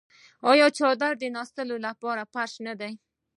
آیا څادر د ناستې لپاره فرش نه دی؟